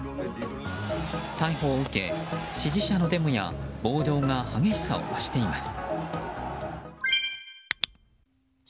逮捕を受け、支持者のデモや暴動が激しさを増しています。